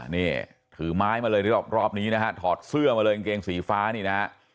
นี่ถือไม้มาเลยรอบนี้นะฮะถอดเสื้อมาเลยกางเกงสีฟ้านี่นะฮะ